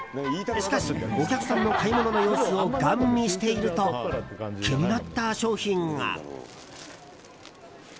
しかし、お客さんの買い物の様子をガン見していると気になった商品が。